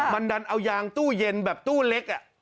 มันดันเอายางตู้เย็นแบบตู้เล็ก